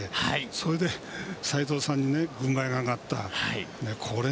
それで斎藤さんに軍配が上がったと。